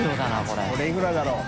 これいくらだろう？